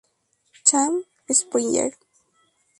Cham: Springer.